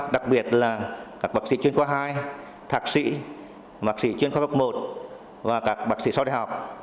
đặc biệt là các bác sĩ chuyên khoa hai thạc sĩ bác sĩ chuyên khoa cấp một và các bác sĩ sau đại học